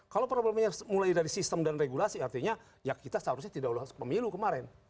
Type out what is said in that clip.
kalau problemnya mulai dari sistem dan regulasi artinya ya kita seharusnya tidak lolos pemilu kemarin